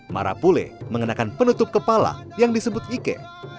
merah pule mengenakan penutup kepala yang disebut ike